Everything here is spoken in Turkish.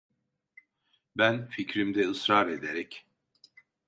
Ben fikrimde ısrar ederek: